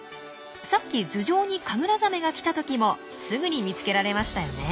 さっき頭上にカグラザメが来た時もすぐに見つけられましたよね？